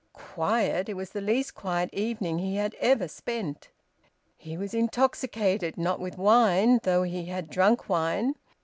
Quiet! It was the least quiet evening he had ever spent. He was intoxicated; not with wine, though he had drunk wine.